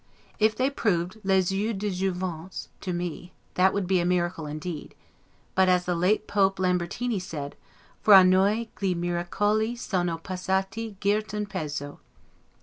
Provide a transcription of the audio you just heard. If they proved 'les eaux de Jouvence' to me, that would be a miracle indeed; but, as the late Pope Lambertini said, 'Fra noi, gli miracoli sono passati girt un pezzo'.